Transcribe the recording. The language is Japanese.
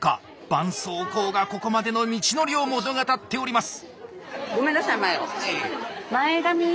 ばんそうこうがここまでの道のりを物語っております！